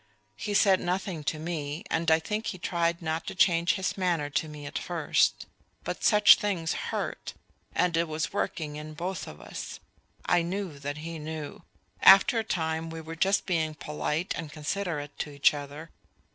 He said nothing to me, and I think he tried not to change in his manner to me at first; but such things hurt and it was working in both of us. I knew that he knew. After a time we were just being polite and considerate to each other.